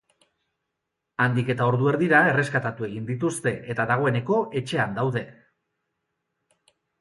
Handik eta ordu erdira, erreskatatu egin dituzte, eta dagoeneko etxean daude.